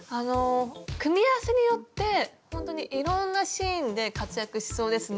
組み合わせによってほんとにいろんなシーンで活躍しそうですね。